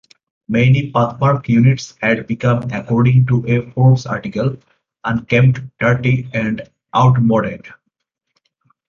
Many Pathmark units had become, according to a Forbes article, unkempt, dirty, and outmoded.